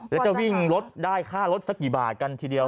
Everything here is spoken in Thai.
แล้วจะวิ่งรถได้ค่ารถสักกี่บาทกันทีเดียว